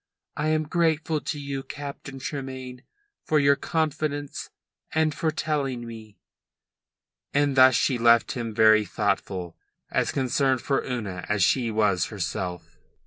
I am grateful to you, Captain Tremayne, for your confidence and for telling me." And thus she left him very thoughtful, as concerned for Una as she was herself.